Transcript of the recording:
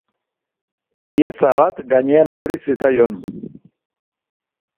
Pieza bat gainean erori zitzaion.